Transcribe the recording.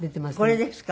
これですか？